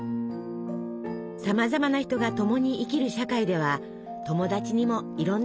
さまざまな人が共に生きる社会では友達にもいろんな人がいる。